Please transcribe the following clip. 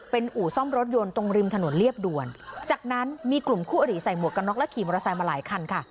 เป็นอู่ซ่อมรถยนต์ตรงริมถนนเรียบด่วนจากนั้นมีกลุ่มคู่อริใส่หมวกกันน็อกและขี่มอเตอร์ไซค์มาหลายคันค่ะ